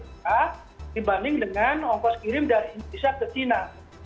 dibanding dengan ongkos kirim dari indonesia ke china